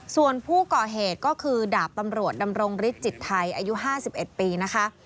ส่วนผู้ก่อเหตุก็คือดาบตำรวจดำรงฤทธิจิตไทยอายุ๕๑ปีนะคะ